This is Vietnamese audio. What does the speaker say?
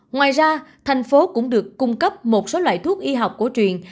ngoài ra thành phố cũng được cung cấp một số loại thuốc y học cổ truyền